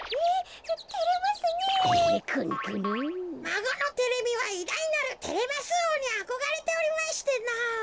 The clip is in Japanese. まごのテレミはいだいなるテレマスおうにあこがれておりましてのぉ。